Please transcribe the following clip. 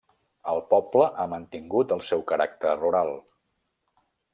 El poble ha mantingut el seu caràcter rural.